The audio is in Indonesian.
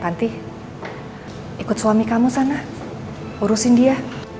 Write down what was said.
nanti ikut suami kamu sana urusin dia